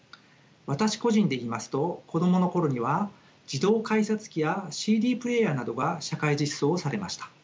私個人でいいますと子供の頃には自動改札機やＣＤプレーヤーなどが社会実装されました。